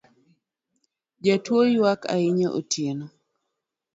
Jatuo oyuak ahinya otieno